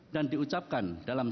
dan diucapkan dalam